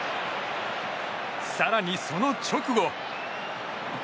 更に、その直後。